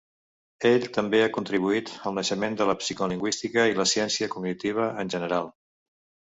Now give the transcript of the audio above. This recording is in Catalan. Ell també ha contribuït al naixement de la psicolingüística i la ciència cognitiva en general.